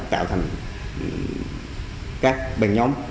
tạo thành các bệnh nhóm